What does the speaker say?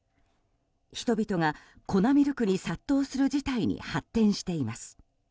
人々が粉ミルクに殺到する事態に発展しています。